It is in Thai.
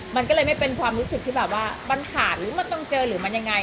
มันก็เลยไม่เป็นความรู้สึกที่แบบว่ามันขาดหรือมันต้องเจอหรือมันยังไง